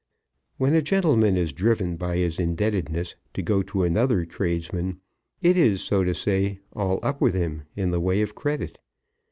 When a gentleman is driven by his indebtedness to go to another tradesman, it is, so to say, "all up with him" in the way of credit.